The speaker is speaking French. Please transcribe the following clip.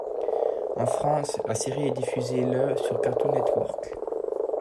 En France, la série est diffusée le sur Cartoon Network.